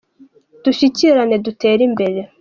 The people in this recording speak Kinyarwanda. dushyigikirane dutere imbere.